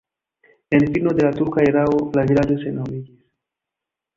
En fino de la turka erao la vilaĝo senhomiĝis.